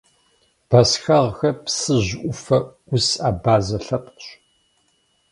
Бэсхэгъхэр Псыжь ӏуфэ ӏус абазэ лъэпкъщ.